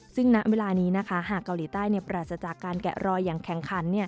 ซึ่งณเวลานี้นะคะหากเกาหลีใต้ปราศจากการแกะรอยอย่างแข่งขัน